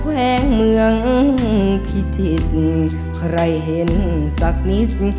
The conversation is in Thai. แวงเมืองพิจิตรใครเห็นสักนิด